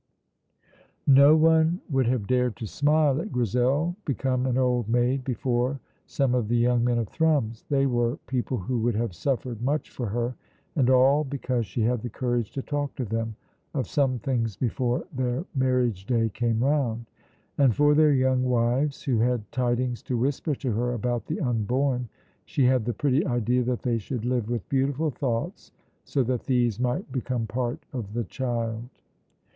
No one would have dared to smile at Grizel become an old maid before some of the young men of Thrums. They were people who would have suffered much for her, and all because she had the courage to talk to them of some things before their marriage day came round. And for their young wives who had tidings to whisper to her about the unborn she had the pretty idea that they should live with beautiful thoughts, so that these might become part of the child.